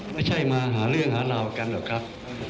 ไม่ใช่มาหาเรื่องหาราวกันหรอกครับ